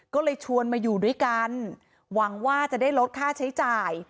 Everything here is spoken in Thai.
ก็เลยชวนมาอยู่ด้วยกันหวังว่าจะได้ลดค่าใช้จ่าย